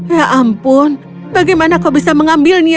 ya ampun bagaimana kau bisa mengambilnya